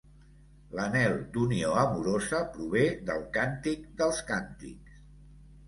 L'anhel d'unió amorosa prové del Càntic dels Càntics.